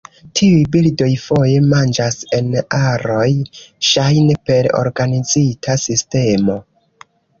Tiuj birdoj foje manĝas en aroj, ŝajne per organizita sistemo.